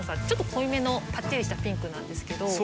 ちょっと濃いめのパッチリしたピンクなんですけど。